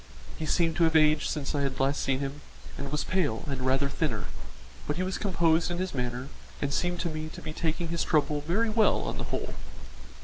He seemed to have aged since I had last seen him, and was pale and rather thinner, but he was composed in his manner and seemed to me to be taking his trouble very well on the whole.